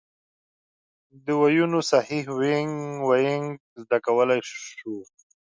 د ویونو صحیح وینګ زده کولای شو.